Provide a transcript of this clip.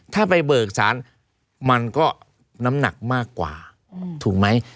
ถ้าไปเบิกสารมันก็น้ำหนักมากกว่าถูกไหม